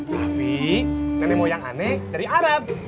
tapi nenek moyang aneh dari arab